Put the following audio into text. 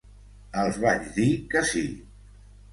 Els vaig dir que sí.